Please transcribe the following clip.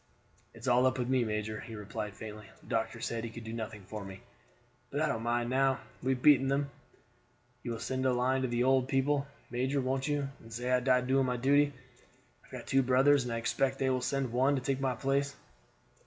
"It's all up with me, major," he replied faintly; "the doctor said he could do nothing for me. But I don't mind, now we have beaten them. You will send a line to the old people, major, won't you, and say I died doing my duty? I've got two brothers, and I expect they will send one on to take my place."